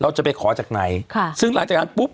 จะไปขอจากไหนค่ะซึ่งหลังจากนั้นปุ๊บ